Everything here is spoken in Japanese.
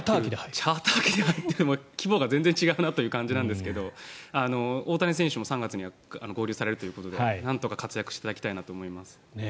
チャーター機って規模が全然違うなという感じなんですけど大谷選手も３月には合流されるということでなんとか活躍していただきたいなと思います。